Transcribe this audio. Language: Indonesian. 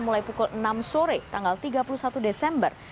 mulai pukul enam sore tanggal tiga puluh satu desember